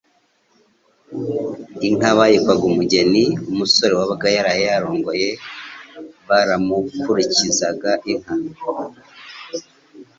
Inka bayikwaga umugeni, umusore wabaga yaraye arongoye baramubyukurukirizaga inka,